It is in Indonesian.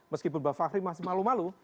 meskipun mbak fahri masih malu malu